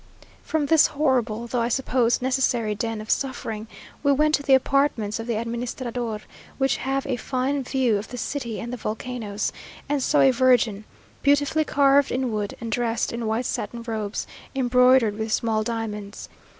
From this horrible, though I suppose necessary den of suffering, we went to the apartments of the administrador, which have a fine view of the city and the volcanoes, and saw a virgin, beautifully carved in wood, and dressed in white satin robes, embroidered with small diamonds.